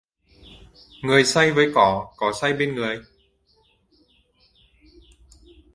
Người say với cỏ, cỏ say bên người!